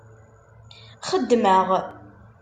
Xeddmeɣ.